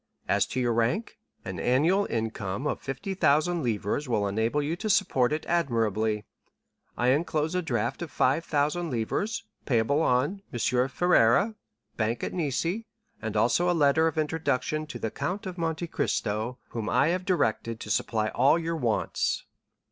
As to your rank, an annual income of 50,000 livres will enable you to support it admirably. I enclose a draft for 5,000 livres, payable on M. Ferrea, banker at Nice, and also a letter of introduction to the Count of Monte Cristo, whom I have directed to supply all your wants.